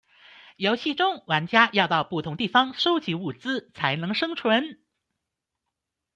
游戏中玩家要到不同地方搜集物资才能生存。